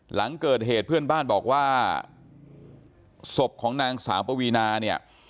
หลังเกิดเหตุเพื่อนบ้านบอกว่าศพของนางสาวปวีนาเนี่ย